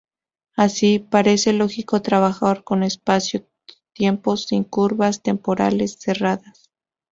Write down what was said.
Así, parece lógico trabajar con espacio-tiempos sin curvas temporales cerradas.